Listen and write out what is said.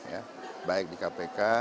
ya baik di kpk